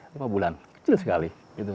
berapa bulan kecil sekali